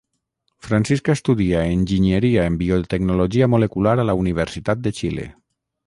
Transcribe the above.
Francisca estudia Enginyeria en Biotecnologia Molecular a la Universitat de Xile.